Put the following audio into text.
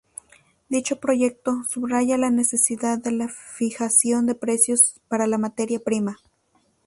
Dicho proyecto subrayaba la necesidad de la fijación de precios para la materia prima.